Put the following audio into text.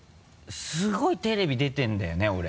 すごいテレビ出てるんだよね俺。